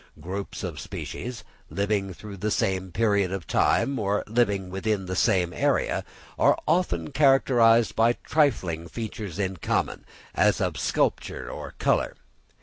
Groups of species, living during the same period of time, or living within the same area, are often characterised by trifling features in common, as of sculpture or colour.